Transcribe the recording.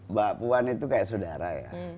mbak puan itu kayak saudara ya